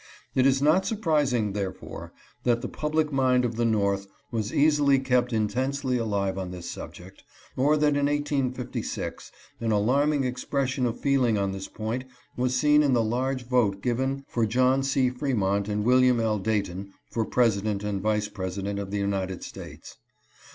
It is not surprising, therefore, that the public mind of the North was easily kept intensely alive on this subject, or that in 1856 an alarming expression of feeling on this point was seen in the large vote given for John C. Fre mont and William L. Dayton for President and Vice President of the United States.